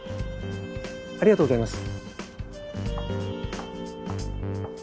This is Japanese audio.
ありがとうございます。